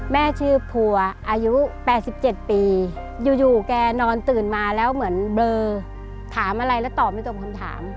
แม่ชื่อภัวร์อายุแปดสิบเจ็ดปีอยู่อยู่แกนอนตื่นมาแล้วเหมือนเบลอถามอะไรแล้วตอบไม่ต้องคำถาม